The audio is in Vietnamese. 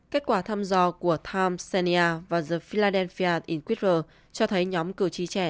kết quả thăm dò của times xenia và the philadelphia inquirer cho thấy nhóm cử tri trẻ